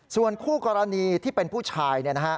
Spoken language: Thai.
ส่วนคู่กรณีที่เป็นผู้ชาย